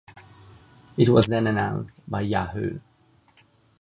It was then announced by Yahoo!